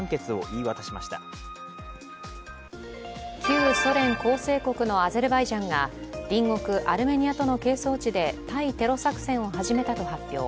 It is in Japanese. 旧ソ連構成国のアゼルバイジャンが隣国・アルメニアとの係争地で対テロ作戦を始めたと発表。